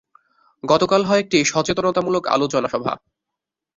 গতকাল হয় একটি সচেতনতামূলক আলোচনা সভা।